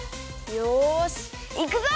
よしいくぞ！